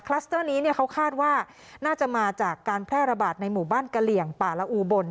สเตอร์นี้เขาคาดว่าน่าจะมาจากการแพร่ระบาดในหมู่บ้านกะเหลี่ยงป่าละอูบน